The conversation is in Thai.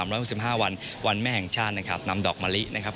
๓๖๕วันวันแม่แห่งชาตินะครับนำดอกมะลินะครับ